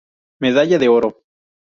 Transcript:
Medalla de Oro.